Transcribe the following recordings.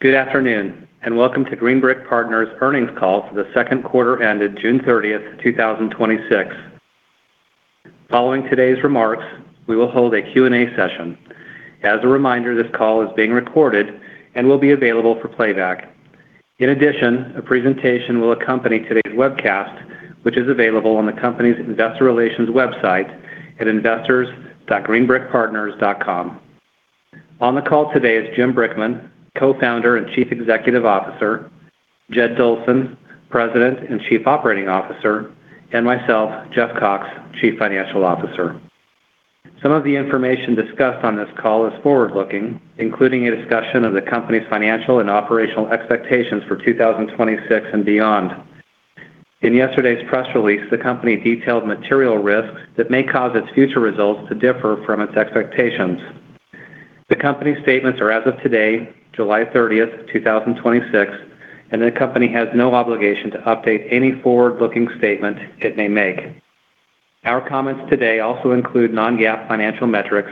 Good afternoon, welcome to Green Brick Partners' earnings call for the second quarter ended June 30th, 2026. Following today's remarks, we will hold a Q&A session. As a reminder, this call is being recorded and will be available for playback. A presentation will accompany today's webcast, which is available on the company's investor relations website at investors.greenbrickpartners.com. On the call today is Jim Brickman, Co-founder and Chief Executive Officer, Jed Dolson, President and Chief Operating Officer, and myself, Jeff Cox, Chief Financial Officer. Some of the information discussed on this call is forward-looking, including a discussion of the company's financial and operational expectations for 2026 and beyond. In yesterday's press release, the company detailed material risks that may cause its future results to differ from its expectations. The company statements are as of today, July 30th, 2026, and the company has no obligation to update any forward-looking statement it may make. Our comments today also include non-GAAP financial metrics.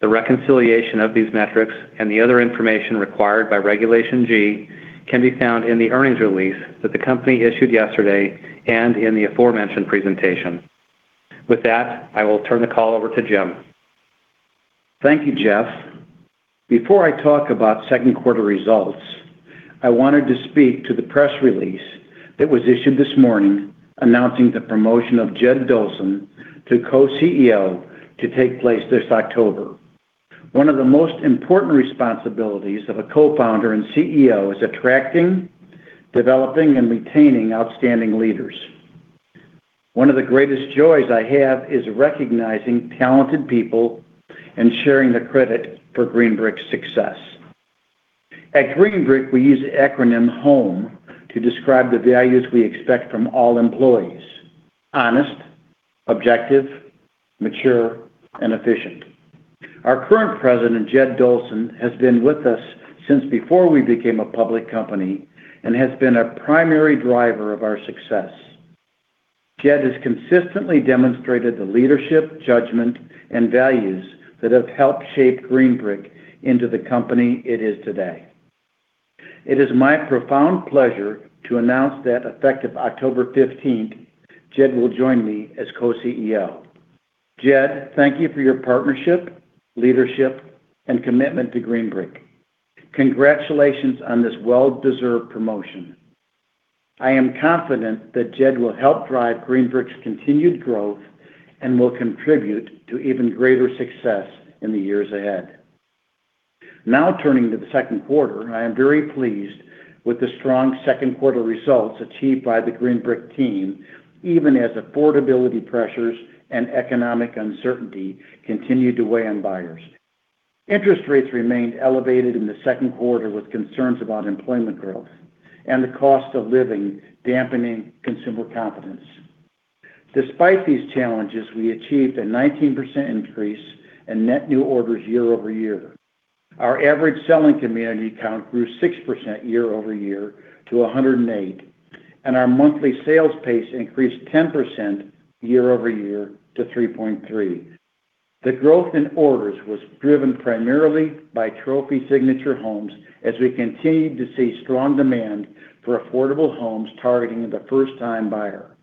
The reconciliation of these metrics and the other information required by Regulation G can be found in the earnings release that the company issued yesterday and in the aforementioned presentation. With that, I will turn the call over to Jim. Thank you, Jeff. Before I talk about second quarter results, I wanted to speak to the press release that was issued this morning announcing the promotion of Jed Dolson to Co-CEO to take place this October. One of the most important responsibilities of a Co-founder and CEO is attracting, developing, and retaining outstanding leaders. One of the greatest joys I have is recognizing talented people and sharing the credit for Green Brick's success. At Green Brick, we use the acronym HOME to describe the values we expect from all employees: honest, objective, mature, and efficient. Our current President, Jed Dolson, has been with us since before we became a public company and has been a primary driver of our success. Jed has consistently demonstrated the leadership, judgment, and values that have helped shape Green Brick into the company it is today. It is my profound pleasure to announce that effective October 15th, Jed will join me as Co-CEO. Jed, thank you for your partnership, leadership, and commitment to Green Brick. Congratulations on this well-deserved promotion. I am confident that Jed will help drive Green Brick's continued growth and will contribute to even greater success in the years ahead. Turning to the second quarter, I am very pleased with the strong second quarter results achieved by the Green Brick team, even as affordability pressures and economic uncertainty continue to weigh on buyers. Interest rates remained elevated in the second quarter, with concerns about employment growth and the cost of living dampening consumer confidence. Despite these challenges, we achieved a 19% increase in net new orders year-over-year. Our average selling community count grew 6% year-over-year to 108. Our monthly sales pace increased 10% year-over-year to 3.3. The growth in orders was driven primarily by Trophy Signature Homes as we continued to see strong demand for affordable homes targeting the first-time buyer,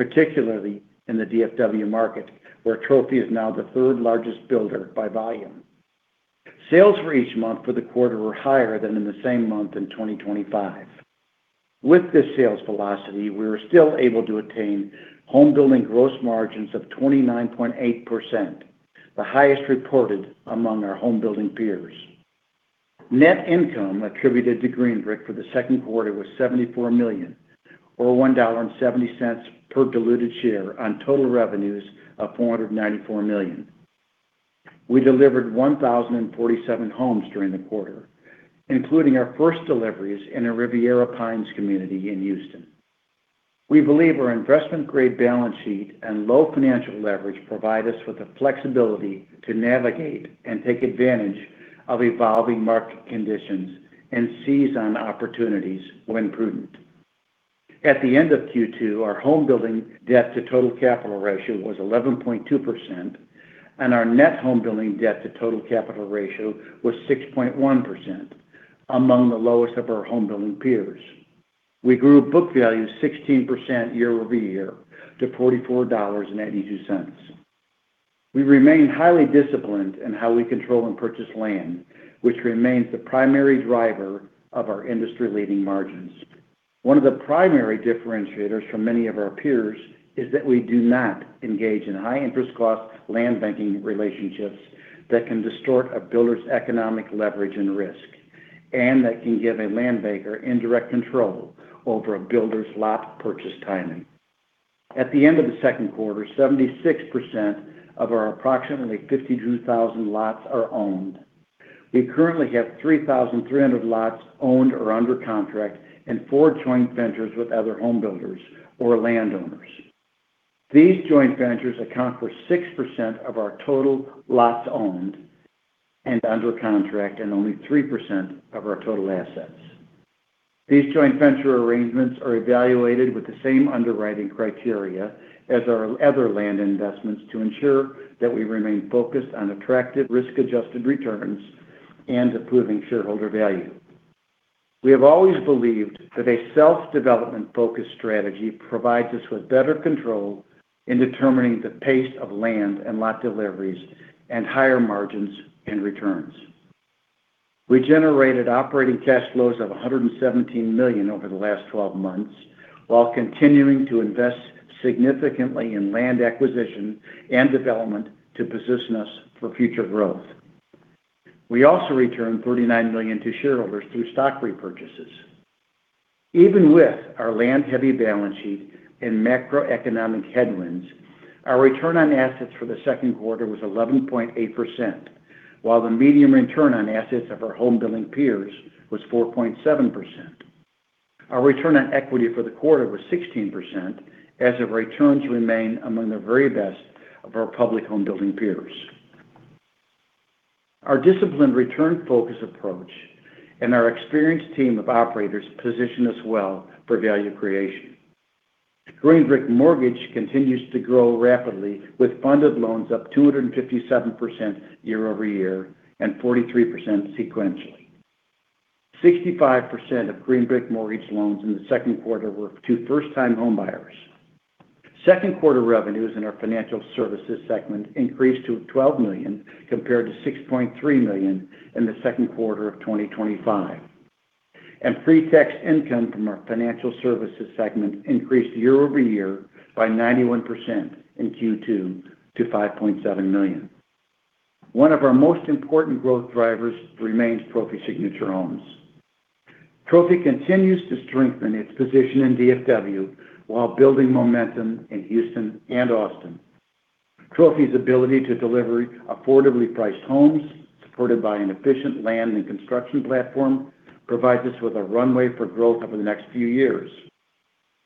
particularly in the DFW market, where Trophy is now the third-largest builder by volume. Sales for each month for the quarter were higher than in the same month in 2025. With this sales velocity, we were still able to attain homebuilding gross margins of 29.8%, the highest reported among our homebuilding peers. Net income attributed to Green Brick for the second quarter was $74 million, or $1.70 per diluted share on total revenues of $494 million. We delivered 1,047 homes during the quarter, including our first deliveries in a Riviera Pines community in Houston. We believe our investment-grade balance sheet and low financial leverage provide us with the flexibility to navigate and take advantage of evolving market conditions and seize on opportunities when prudent. At the end of Q2, our homebuilding debt to total capital ratio was 11.2%. Our net homebuilding debt to total capital ratio was 6.1%, among the lowest of our homebuilding peers. We grew book value 16% year-over-year to $44.82. We remain highly disciplined in how we control and purchase land, which remains the primary driver of our industry-leading margins. One of the primary differentiators from many of our peers is that we do not engage in high-interest cost land banking relationships that can distort a builder's economic leverage and risk. That can give a land banker indirect control over a builder's lot purchase timing. At the end of the second quarter, 76% of our approximately 52,000 lots are owned. We currently have 3,300 lots owned or under contract in four joint ventures with other home builders or landowners. These joint ventures account for 6% of our total lots owned and under contract. Only 3% of our total assets. These joint venture arrangements are evaluated with the same underwriting criteria as our other land investments to ensure that we remain focused on attractive risk-adjusted returns and improving shareholder value. We have always believed that a self-development focused strategy provides us with better control in determining the pace of land and lot deliveries and higher margins and returns. We generated operating cash flows of $117 million over the last 12 months, while continuing to invest significantly in land acquisition and development to position us for future growth. We also returned $39 million to shareholders through stock repurchases. Even with our land-heavy balance sheet and macroeconomic headwinds, our return on assets for the second quarter was 11.8%, while the median return on assets of our home building peers was 4.7%. Our return on equity for the quarter was 16%, as our returns remain among the very best of our public home building peers. Our disciplined return focus approach and our experienced team of operators position us well for value creation. Green Brick Mortgage continues to grow rapidly with funded loans up 257% year-over-year. 43% sequentially. 65% of Green Brick Mortgage loans in the second quarter were to first-time homebuyers. Second quarter revenues in our financial services segment increased to $12 million, compared to $6.3 million in the second quarter of 2025. Pre-tax income from our financial services segment increased year-over-year by 91% in Q2 to $5.7 million. One of our most important growth drivers remains Trophy Signature Homes. Trophy continues to strengthen its position in DFW while building momentum in Houston and Austin. Trophy's ability to deliver affordably priced homes, supported by an efficient land and construction platform, provides us with a runway for growth over the next few years.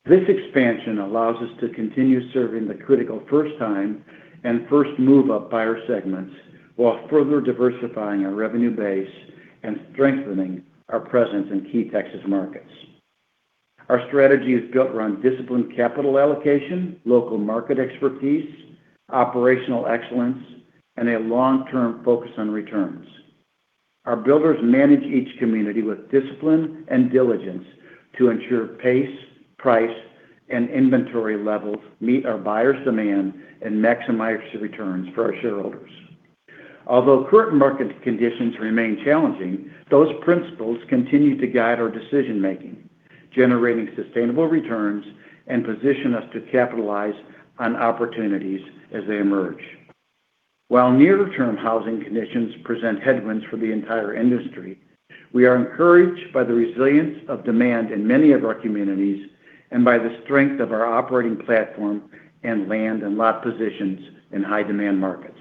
This expansion allows us to continue serving the critical first time and first move up buyer segments while further diversifying our revenue base and strengthening our presence in key Texas markets. Our strategy is built around disciplined capital allocation, local market expertise, operational excellence, and a long-term focus on returns. Our builders manage each community with discipline and diligence to ensure pace, price, and inventory levels meet our buyers' demand and maximize the returns for our shareholders. Although current market conditions remain challenging, those principles continue to guide our decision-making, generating sustainable returns, and position us to capitalize on opportunities as they emerge. While near-term housing conditions present headwinds for the entire industry, we are encouraged by the resilience of demand in many of our communities and by the strength of our operating platform and land and lot positions in high-demand markets.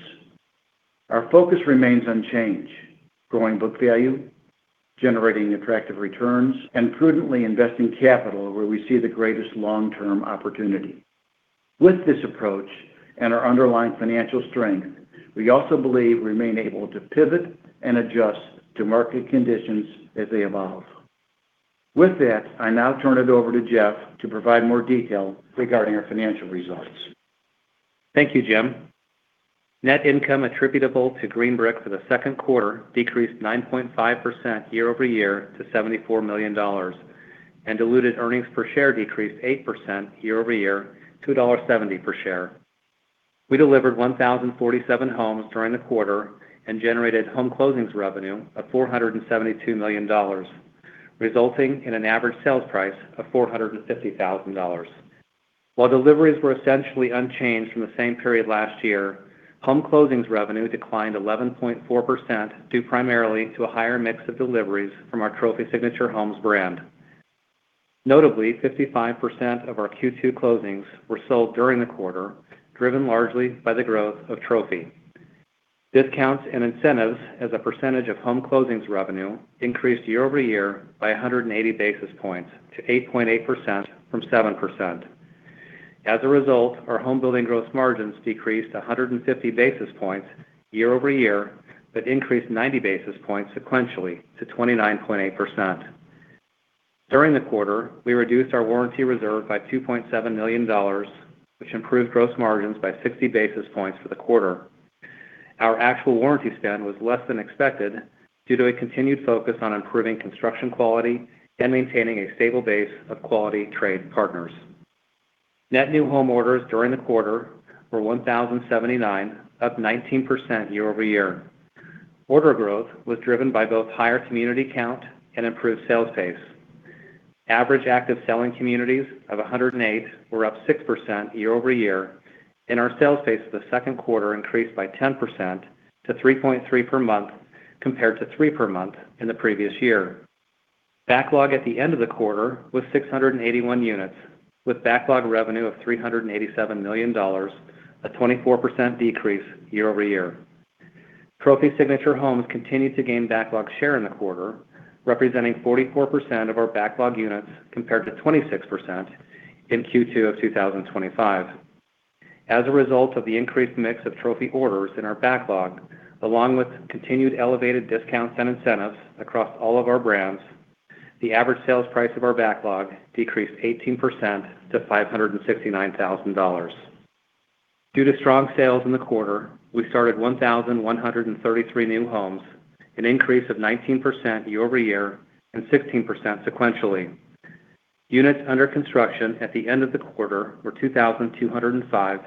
Our focus remains unchanged, growing book value, generating attractive returns, and prudently investing capital where we see the greatest long-term opportunity. With this approach and our underlying financial strength, we also believe remain able to pivot and adjust to market conditions as they evolve. With that, I now turn it over to Jeff to provide more detail regarding our financial results. Thank you, Jim. Net income attributable to Green Brick for the second quarter decreased 9.5% year-over-year to $74 million, and diluted earnings per share decreased 8% year-over-year to $1.70 per share. We delivered 1,047 homes during the quarter and generated home closings revenue of $472 million, resulting in an average sales price of $450,000. While deliveries were essentially unchanged from the same period last year, home closings revenue declined 11.4% due primarily to a higher mix of deliveries from our Trophy Signature Homes brand. Notably, 55% of our Q2 closings were sold during the quarter, driven largely by the growth of Trophy. Discounts and incentives as a percentage of home closings revenue increased year-over-year by 180 basis points to 8.8% from 7%. As a result, our home building gross margins decreased 150 basis points year-over-year, but increased 90 basis points sequentially to 29.8%. During the quarter, we reduced our warranty reserve by $2.7 million, which improved gross margins by 60 basis points for the quarter. Our actual warranty spend was less than expected due to a continued focus on improving construction quality and maintaining a stable base of quality trade partners. Net new home orders during the quarter were 1,079, up 19% year-over-year. Order growth was driven by both higher community count and improved sales pace. Average active selling communities of 108 were up 6% year-over-year, and our sales pace for the second quarter increased by 10% to 3.3 per month, compared to three per month in the previous year. Backlog at the end of the quarter was 681 units, with backlog revenue of $387 million, a 24% decrease year-over-year. Trophy Signature Homes continued to gain backlog share in the quarter, representing 44% of our backlog units, compared to 26% in Q2 of 2025. As a result of the increased mix of Trophy orders in our backlog, along with continued elevated discounts and incentives across all of our brands, the average sales price of our backlog decreased 18% to $569,000. Due to strong sales in the quarter, we started 1,133 new homes, an increase of 19% year-over-year and 16% sequentially. Units under construction at the end of the quarter were 2,205,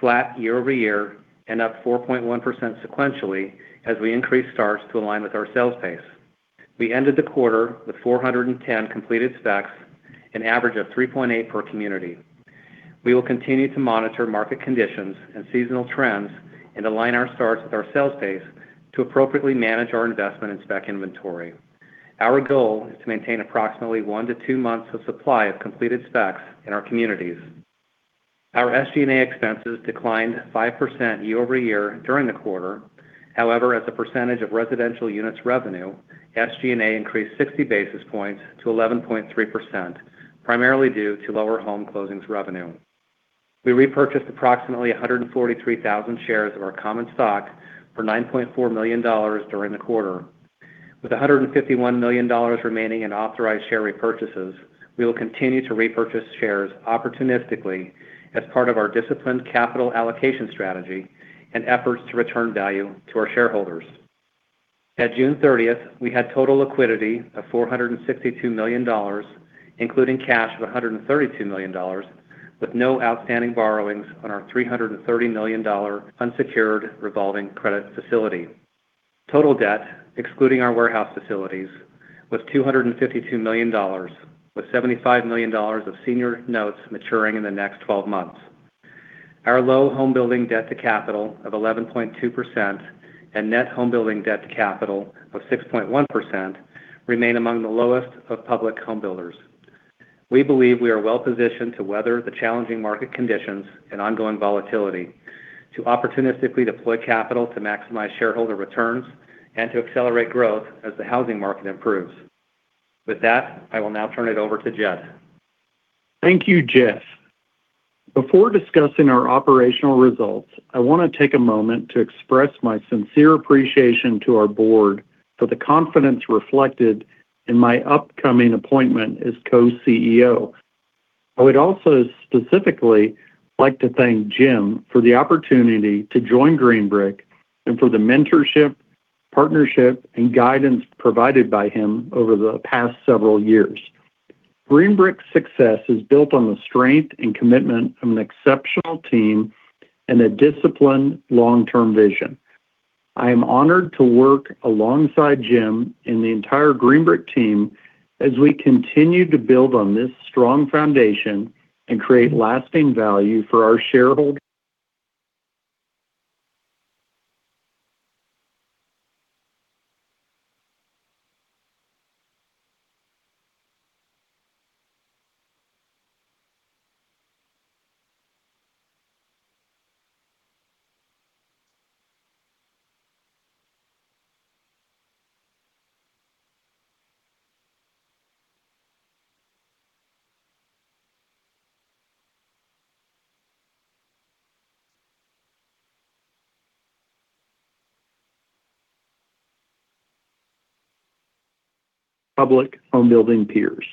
flat year-over-year and up 4.1% sequentially as we increased starts to align with our sales pace. We ended the quarter with 410 completed specs, an average of 3.8 per community. We will continue to monitor market conditions and seasonal trends and align our starts with our sales pace to appropriately manage our investment in spec inventory. Our goal is to maintain approximately one to two months of supply of completed specs in our communities. Our SG&A expenses declined 5% year-over-year during the quarter. However, as a percentage of residential units revenue, SG&A increased 60 basis points to 11.3%, primarily due to lower home closings revenue. We repurchased approximately 143,000 shares of our common stock for $9.4 million during the quarter. With $151 million remaining in authorized share repurchases, we will continue to repurchase shares opportunistically as part of our disciplined capital allocation strategy and efforts to return value to our shareholders. At June 30th, we had total liquidity of $462 million, including cash of $132 million, with no outstanding borrowings on our $330 million unsecured revolving credit facility. Total debt, excluding our warehouse facilities, was $252 million, with $75 million of senior notes maturing in the next 12 months. Our low home building debt-to-capital of 11.2% and net home building debt-to-capital of 6.1% remain among the lowest of public home builders. We believe we are well positioned to weather the challenging market conditions and ongoing volatility, to opportunistically deploy capital to maximize shareholder returns, and to accelerate growth as the housing market improves. With that, I will now turn it over to Jed. Thank you, Jeff. Before discussing our operational results, I want to take a moment to express my sincere appreciation to our board for the confidence reflected in my upcoming appointment as co-CEO. I would also specifically like to thank Jim for the opportunity to join Green Brick, and for the mentorship, partnership, and guidance provided by him over the past several years. Green Brick's success is built on the strength and commitment of an exceptional team and a disciplined long-term vision. I am honored to work alongside Jim and the entire Green Brick team as we continue to build on this strong foundation and create lasting value for our public home building peers.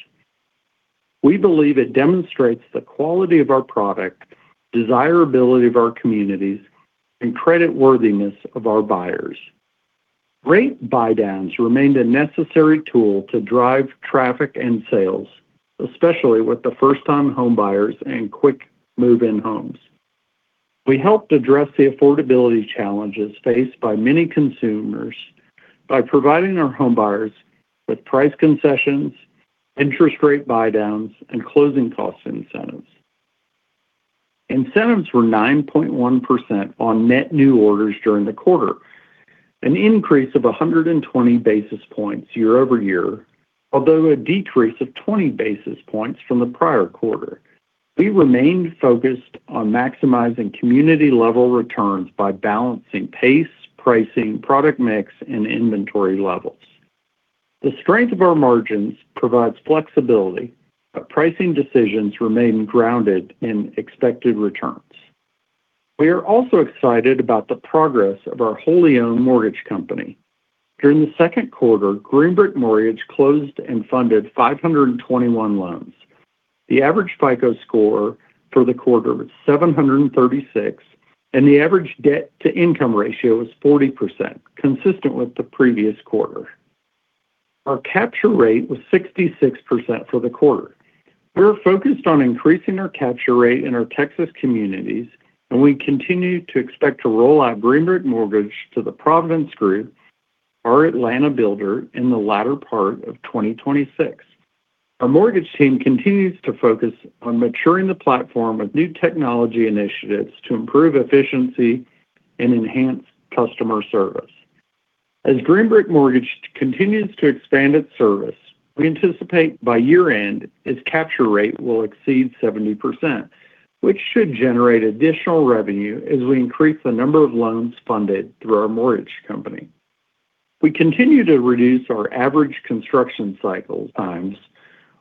We believe it demonstrates the quality of our product, desirability of our communities, and creditworthiness of our buyers. Rate buydowns remained a necessary tool to drive traffic and sales, especially with the first-time home buyers and quick move-in homes. We helped address the affordability challenges faced by many consumers by providing our home buyers with price concessions, interest rate buydowns, and closing cost incentives. Incentives were 9.1% on net new orders during the quarter, an increase of 120 basis points year-over-year, although a decrease of 20 basis points from the prior quarter. We remained focused on maximizing community-level returns by balancing pace, pricing, product mix, and inventory levels. The strength of our margins provides flexibility, but pricing decisions remain grounded in expected returns. We are also excited about the progress of our wholly owned mortgage company. During the second quarter, Green Brick Mortgage closed and funded 521 loans. The average FICO score for the quarter was 736, and the average debt-to-income ratio was 40%, consistent with the previous quarter. Our capture rate was 66% for the quarter. We're focused on increasing our capture rate in our Texas communities, and we continue to expect to roll out Green Brick Mortgage to The Providence Group, our Atlanta builder, in the latter part of 2026. Our mortgage team continues to focus on maturing the platform with new technology initiatives to improve efficiency and enhance customer service. As Green Brick Mortgage continues to expand its service, we anticipate by year-end its capture rate will exceed 70%, which should generate additional revenue as we increase the number of loans funded through our mortgage company. We continue to reduce our average construction cycle times,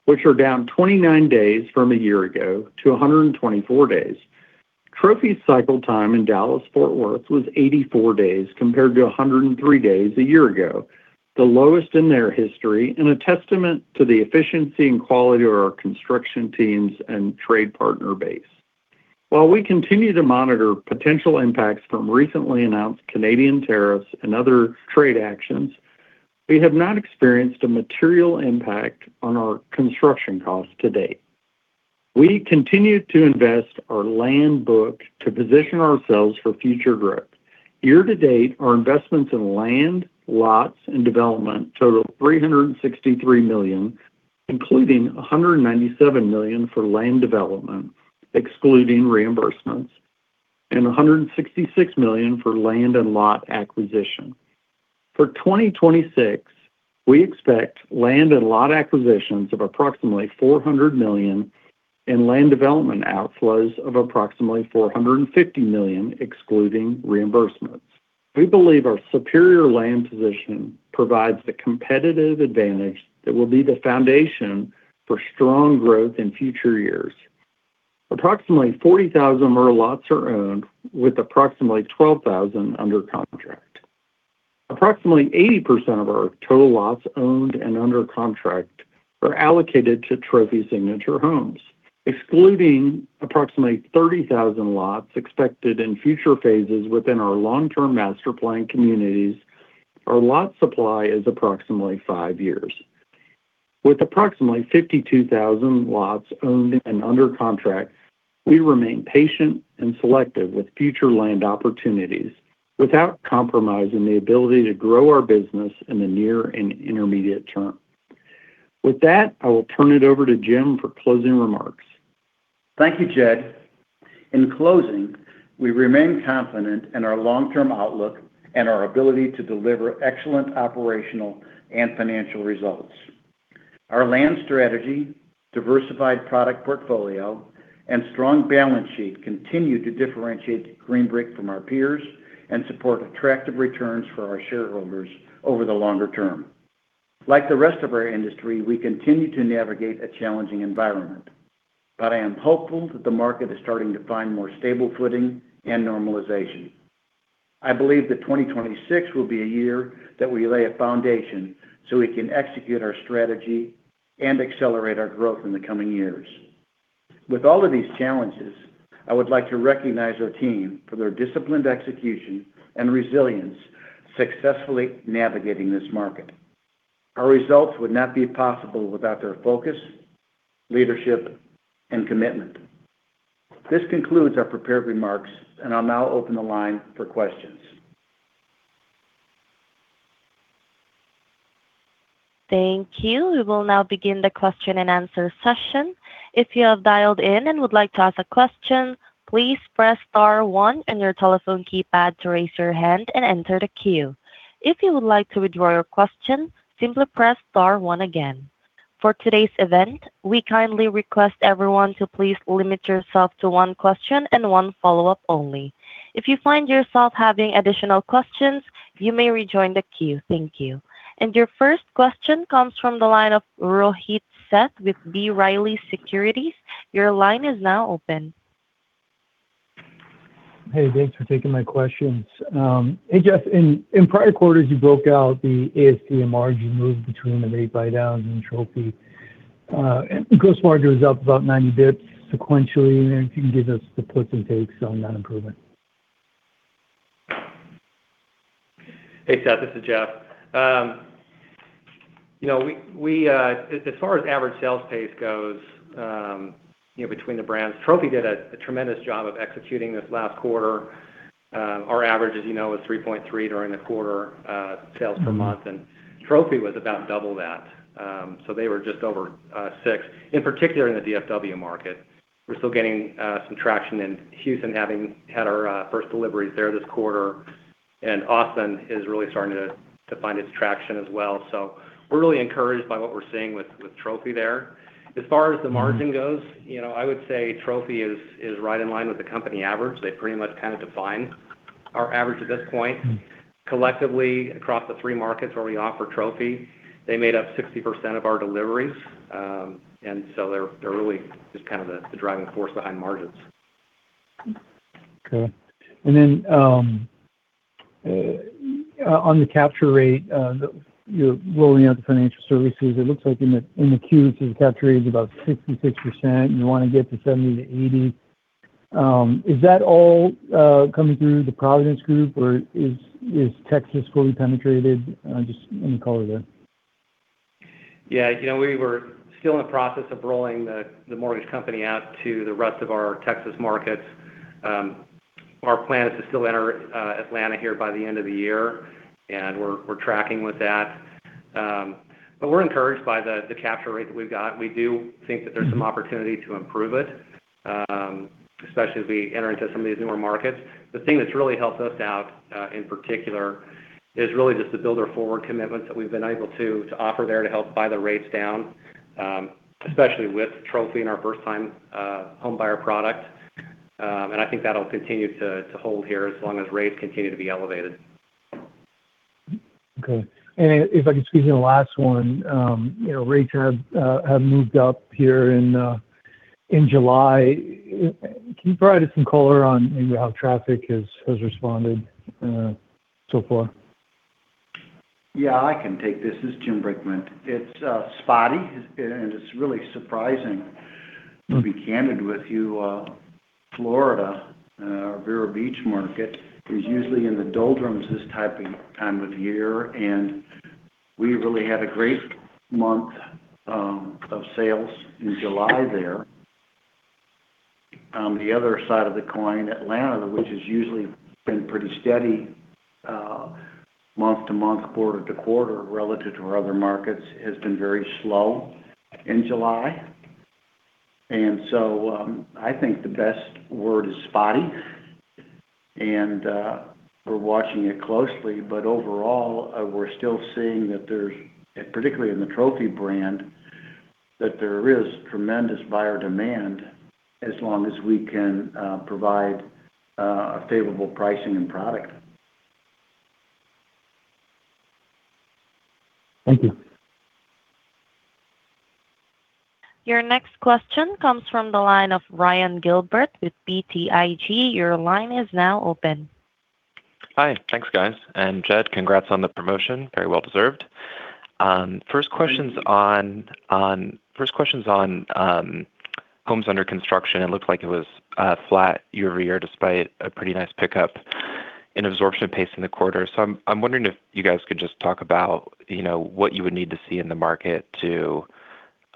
which are down 29 days from a year ago to 124 days. Trophy cycle time in Dallas-Fort Worth was 84 days compared to 103 days a year ago, the lowest in their history, and a testament to the efficiency and quality of our construction teams and trade partner base. While we continue to monitor potential impacts from recently announced Canadian tariffs and other trade actions, we have not experienced a material impact on our construction costs to date. We continue to invest our land book to position ourselves for future growth. Year to date, our investments in land, lots, and development total $363 million, including $197 million for land development, excluding reimbursements, and $166 million for land and lot acquisition. For 2026, we expect land and lot acquisitions of approximately $400 million and land development outflows of approximately $450 million, excluding reimbursements. We believe our superior land position provides the competitive advantage that will be the foundation for strong growth in future years. Approximately 40,000 more lots are owned, with approximately 12,000 under contract. Approximately 80% of our total lots owned and under contract are allocated to Trophy Signature Homes. Excluding approximately 30,000 lots expected in future phases within our long-term master plan communities, our lot supply is approximately five years. With approximately 52,000 lots owned and under contract, we remain patient and selective with future land opportunities without compromising the ability to grow our business in the near and intermediate term. With that, I will turn it over to Jim for closing remarks. Thank you, Jed. In closing, we remain confident in our long-term outlook and our ability to deliver excellent operational and financial results. Our land strategy, diversified product portfolio, and strong balance sheet continue to differentiate Green Brick from our peers and support attractive returns for our shareholders over the longer term. Like the rest of our industry, we continue to navigate a challenging environment, but I am hopeful that the market is starting to find more stable footing and normalization. I believe that 2026 will be a year that we lay a foundation so we can execute our strategy and accelerate our growth in the coming years. With all of these challenges, I would like to recognize our team for their disciplined execution and resilience, successfully navigating this market. Our results would not be possible without their focus, leadership, and commitment. This concludes our prepared remarks, and I'll now open the line for questions. Thank you. We will now begin the question and answer session. If you have dialed in and would like to ask a question, please press star one on your telephone keypad to raise your hand and enter the queue. If you would like to withdraw your question, simply press star one again. For today's event, we kindly request everyone to please limit yourself to one question and one follow-up only. If you find yourself having additional questions, you may rejoin the queue. Thank you. Your first question comes from the line of Rohit Seth with B. Riley Securities. Your line is now open. Hey, thanks for taking my questions. Hey, Jeff, in prior quarters, you broke out the ASP margin move between the rate buydowns and Trophy. Gross margin was up about 90 basis points sequentially. I wonder if you can give us the puts and takes on that improvement. Hey, Seth. This is Jeff. As far as average sales pace goes between the brands, Trophy did a tremendous job of executing this last quarter. Our average, as you know, was 3.3 during the quarter sales per month, and Trophy was about double that. They were just over six. In particular in the DFW market. We're still getting some traction in Houston, having had our first deliveries there this quarter, and Austin is really starting to find its traction as well. We're really encouraged by what we're seeing with Trophy there. As far as the margin goes, I would say Trophy is right in line with the company average. They pretty much kind of define our average at this point. Collectively, across the three markets where we offer Trophy, they made up 60% of our deliveries. They're really just kind of the driving force behind margins. Okay. On the capture rate, you're rolling out the financial services. It looks like in Q2, the capture rate is about 66%, and you want to get to 70%-80%. Is that all coming through The Providence Group, or is Texas fully penetrated? Just let me call it there. Yeah. We were still in the process of rolling the mortgage company out to the rest of our Texas markets. Our plan is to still enter Atlanta here by the end of the year, and we're tracking with that. We're encouraged by the capture rate that we've got. We do think that there's some opportunity to improve it, especially as we enter into some of these newer markets. The thing that's really helped us out in particular is really just the builder forward commitments that we've been able to offer there to help buy the rates down, especially with Trophy and our first-time homebuyer product. I think that'll continue to hold here as long as rates continue to be elevated. Okay. If I could squeeze in a last one. Rates have moved up here in July. Can you provide us some color on how traffic has responded so far? Yeah, I can take this. This is Jim Brickman. It's spotty, and it's really surprising to be candid with you. Florida, our Vero Beach market, is usually in the doldrums this time of year, and we really had a great month of sales in July there. On the other side of the coin, Atlanta, which has usually been pretty steady month to month, quarter to quarter, relative to our other markets, has been very slow in July. I think the best word is spotty, and we're watching it closely. Overall, we're still seeing that, particularly in the Trophy brand, that there is tremendous buyer demand as long as we can provide favorable pricing and product. Thank you. Your next question comes from the line of Ryan Gilbert with BTIG. Your line is now open. Hi. Thanks, guys. Jed, congrats on the promotion. Very well deserved. Thank you. First question's on homes under construction. It looked like it was flat year-over-year, despite a pretty nice pickup in absorption pace in the quarter. I'm wondering if you guys could just talk about what you would need to see in the market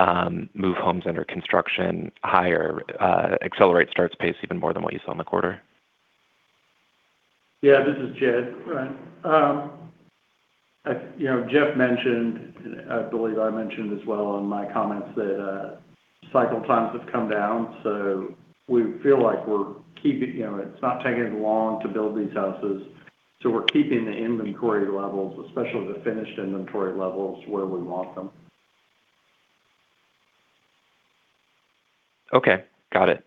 to move homes under construction higher, accelerate starts pace even more than what you saw in the quarter. This is Jed, Ryan. Jeff mentioned, I believe I mentioned as well in my comments that cycle times have come down, we feel like it's not taking as long to build these houses. We're keeping the inventory levels, especially the finished inventory levels, where we want them. Okay. Got it.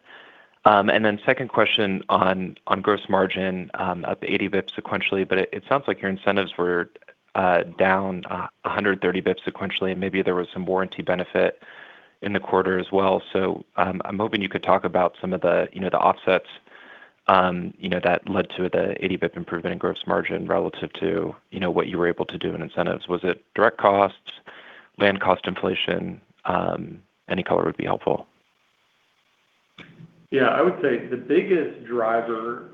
Second question on gross margin, up 80 bps sequentially, but it sounds like your incentives were down 130 basis points sequentially, and maybe there was some warranty benefit in the quarter as well. I'm hoping you could talk about some of the offsets that led to the 80 basis points improvement in gross margin relative to what you were able to do in incentives. Was it direct costs, land cost inflation? Any color would be helpful. Yeah. I would say the biggest driver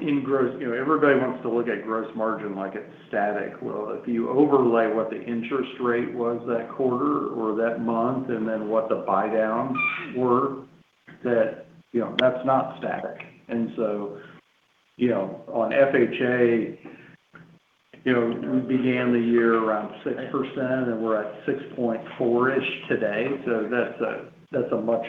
in gross, everybody wants to look at gross margin like it's static. Well, if you overlay what the interest rate was that quarter or that month, and then what the buydowns were, that's not static. On FHA, we began the year around 6%, and we're at 6.4-ish today. That's a much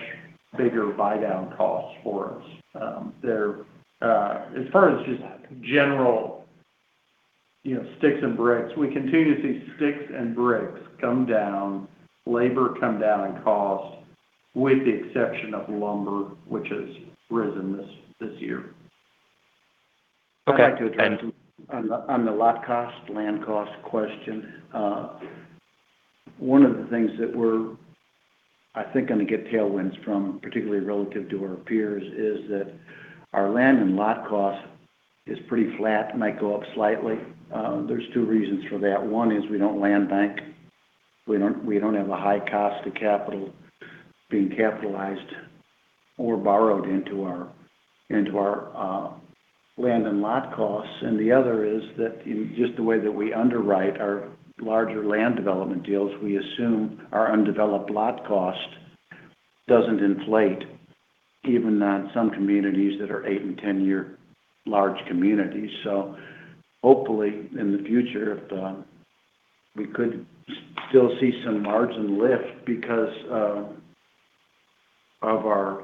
bigger buydown cost for us. As far as just general sticks and bricks, we continue to see sticks and bricks come down, labor come down in cost, with the exception of lumber, which has risen this year. Okay. I'd like to address on the lot cost, land cost question. One of the things that we're, I think, going to get tailwinds from, particularly relative to our peers, is that our land and lot cost is pretty flat, might go up slightly. There's two reasons for that. One is we don't land bank. We don't have a high cost of capital being capitalized or borrowed into our land and lot costs. The other is that in just the way that we underwrite our larger land development deals, we assume our undeveloped lot cost doesn't inflate, even on some communities that are eight and 10-year large communities. Hopefully, in the future, we could still see some margin lift because of our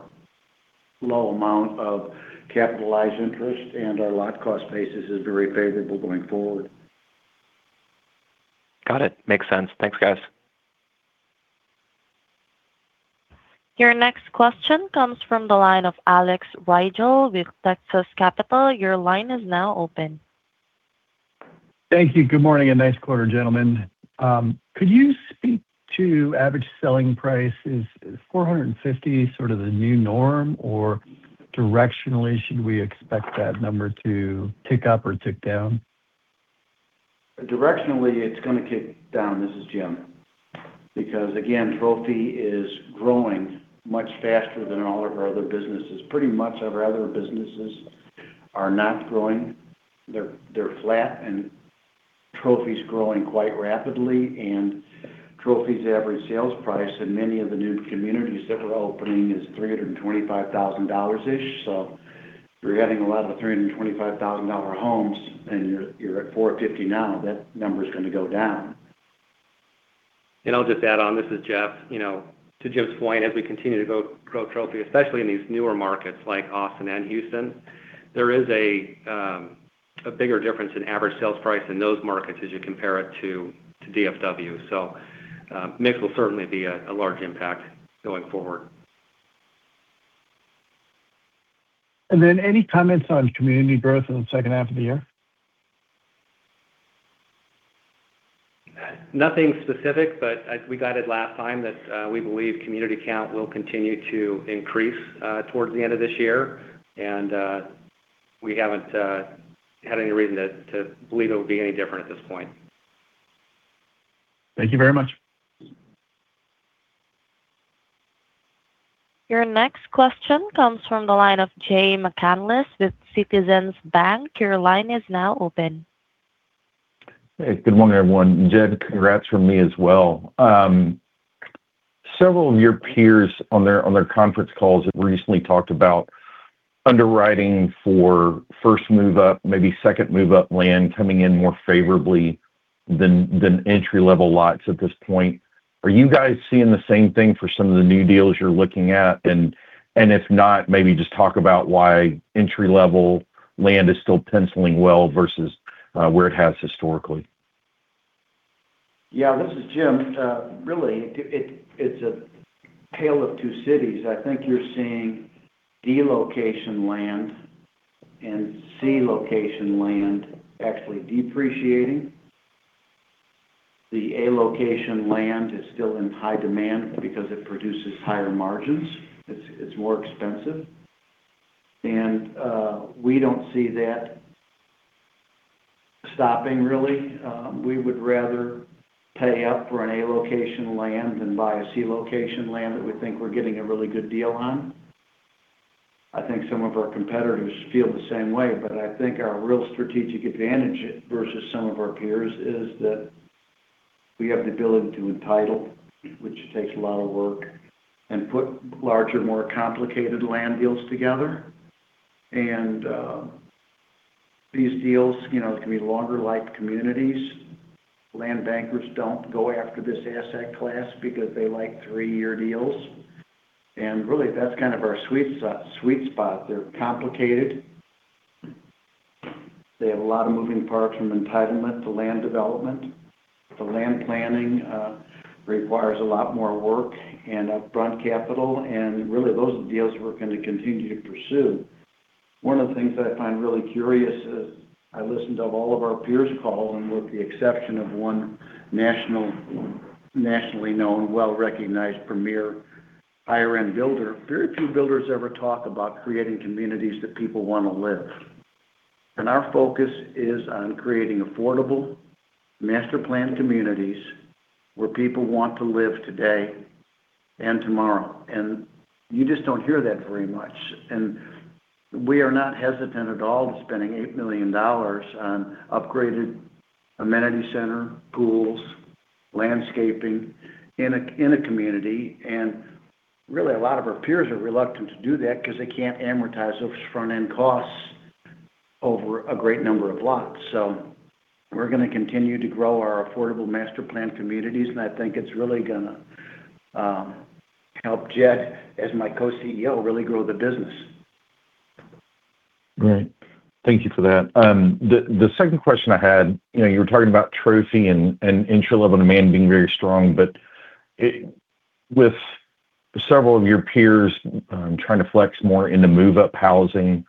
low amount of capitalized interest and our lot cost basis is very favorable going forward. Got it. Makes sense. Thanks, guys. Your next question comes from the line of Alex Rygiel with Texas Capital. Your line is now open. Thank you. Good morning, and nice quarter, gentlemen. Could you speak to average selling price? Is $450 sort of the new norm, or directionally should we expect that number to tick up or tick down? Directionally, it's going to tick down. This is Jim. Again, Trophy is growing much faster than all of our other businesses. Pretty much our other businesses are not growing. They're flat. Trophy's growing quite rapidly. Trophy's average sales price in many of the new communities that we're opening is $325,000. If you're having a lot of $325,000 homes and you're at $450 now, that number's going to go down. I'll just add on. This is Jeff. To Jim's point, as we continue to grow Trophy, especially in these newer markets like Austin and Houston, there is a bigger difference in average sales price in those markets as you compare it to DFW. Mix will certainly be a large impact going forward. Any comments on community growth in the second half of the year? Nothing specific. As we guided last time that we believe community count will continue to increase towards the end of this year. We haven't had any reason to believe it will be any different at this point. Thank you very much. Your next question comes from the line of Jay McCanless with Citizens Bank. Your line is now open. Hey, good morning, everyone. Jed, congrats from me as well. Several of your peers on their conference calls have recently talked about underwriting for first move-up, maybe second move-up land coming in more favorably than entry-level lots at this point. Are you guys seeing the same thing for some of the new deals you're looking at? If not, maybe just talk about why entry-level land is still penciling well versus where it has historically. Yeah, this is Jim. Really, it's a tale of two cities. I think you're seeing D location land and C location land actually depreciating. The A location land is still in high demand because it produces higher margins. It's more expensive. We don't see that stopping, really. We would rather pay up for an A location land than buy a C location land that we think we're getting a really good deal on. I think some of our competitors feel the same way, but I think our real strategic advantage versus some of our peers is that we have the ability to entitle, which takes a lot of work, and put larger, more complicated land deals together. These deals can be longer-life communities. Land bankers don't go after this asset class because they like three-year deals, really that's kind of our sweet spot. They're complicated. They have a lot of moving parts from entitlement to land development. The land planning requires a lot more work and upfront capital, really those are the deals we're going to continue to pursue. One of the things I find really curious as I listened to all of our peers call, with the exception of one nationally known, well-recognized premier higher-end builder, very few builders ever talk about creating communities that people want to live. Our focus is on creating affordable master planned communities where people want to live today and tomorrow. You just don't hear that very much. We are not hesitant at all to spending $8 million on upgraded amenity center, pools, landscaping in a community. Really, a lot of our peers are reluctant to do that because they can't amortize those front-end costs over a great number of lots. We're going to continue to grow our affordable master planned communities, and I think it's really going to help Jed, as my Co-CEO, really grow the business. Great. Thank you for that. The second question I had, you were talking about Trophy and entry-level demand being very strong, but with several of your peers trying to flex more into move-up housing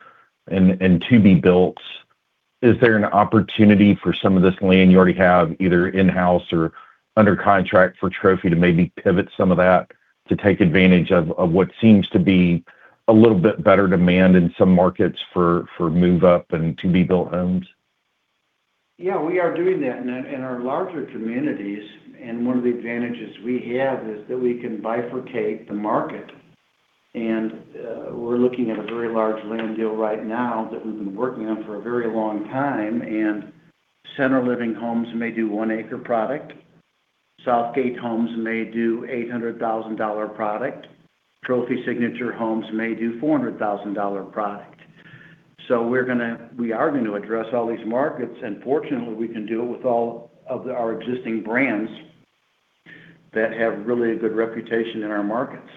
and to-be-builts, is there an opportunity for some of this land you already have, either in-house or under contract for Trophy to maybe pivot some of that to take advantage of what seems to be a little bit better demand in some markets for move-up and to-be-built homes? Yeah, we are doing that in our larger communities, and one of the advantages we have is that we can bifurcate the market. We're looking at a very large land deal right now that we've been working on for a very long time, and Centre Living Homes may do one acre product. Southgate Homes may do $800,000 product. Trophy Signature Homes may do $400,000 product. We are going to address all these markets, and fortunately, we can do it with all of our existing brands that have really a good reputation in our markets.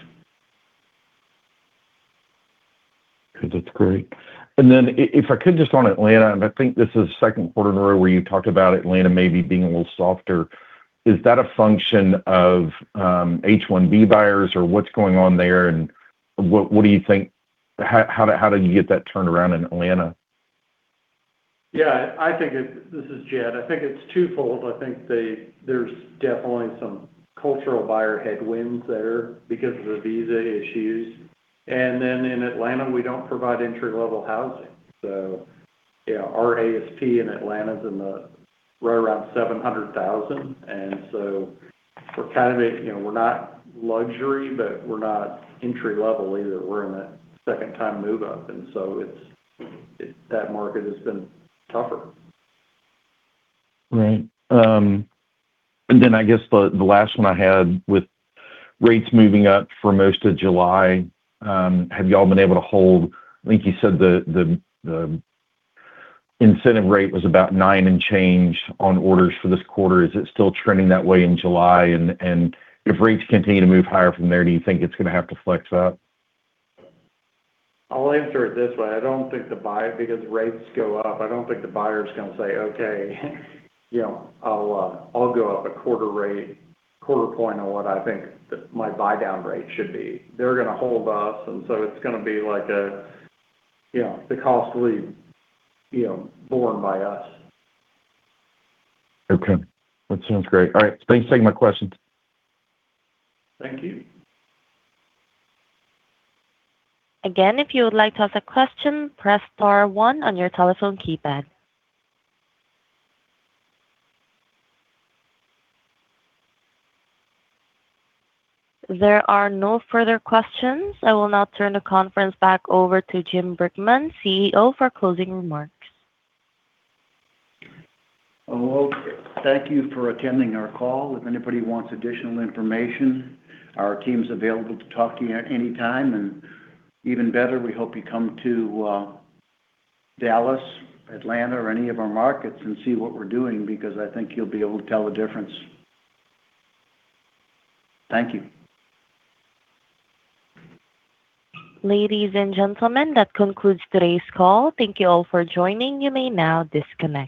Good. That's great. Then if I could, just on Atlanta, and I think this is the second quarter in a row where you talked about Atlanta maybe being a little softer. Is that a function of H-1B buyers, or what's going on there, and what do you think, how did you get that turnaround in Atlanta? Yeah. This is Jed. I think it's twofold. I think there's definitely some cultural buyer headwinds there because of the visa issues. In Atlanta, we don't provide entry-level housing. Yeah, our ASP in Atlanta is in the right around $700,000. We're not luxury, but we're not entry level either. We're in that second-time move-up, that market has been tougher. Right. I guess the last one I had, with rates moving up for most of July, have you all been able to hold, I think you said the incentive rate was about nine and change on orders for this quarter. Is it still trending that way in July? If rates continue to move higher from there, do you think it's going to have to flex up? I'll answer it this way. I don't think the buy because rates go up, I don't think the buyer's going to say, "Okay, I'll go up a quarter rate, quarter point on what I think my buydown rate should be." They're going to hold us, it's going to be the cost will be borne by us. Okay. That sounds great. All right. Thanks for taking my questions. Thank you. Again, if you would like to ask a question, press star one on your telephone keypad. If there are no further questions, I will now turn the conference back over to Jim Brickman, CEO, for closing remarks. Well, thank you for attending our call. If anybody wants additional information, our team's available to talk to you at any time. Even better, we hope you come to Dallas, Atlanta, or any of our markets and see what we're doing because I think you'll be able to tell the difference. Thank you. Ladies and gentlemen, that concludes today's call. Thank you all for joining. You may now disconnect.